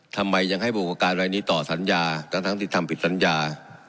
ทำไมยังให้บวกการอะไรนี้ต่อสัญญาตั้งทั้งที่ทำผิดสัญญา